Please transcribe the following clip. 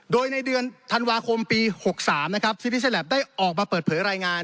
โดยในเดือนธันวาคมปีหกสามนะครับได้ออกมาเปิดเผยรายงาน